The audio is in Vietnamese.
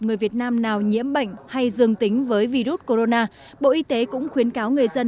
người việt nam nào nhiễm bệnh hay dương tính với virus corona bộ y tế cũng khuyến cáo người dân